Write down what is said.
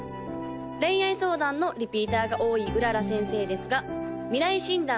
恋愛相談のリピーターが多い麗先生ですが未来診断